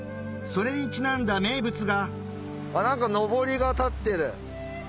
それにちなんだ名物が何かのぼりが立ってる。